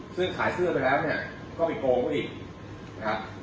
ซึ่งขายเสื้อไปแล้วเนี่ยก็ไปโกงเขาอีกนะครับ